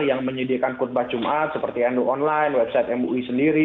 yang menyediakan khutbah jumat seperti nu online website mui sendiri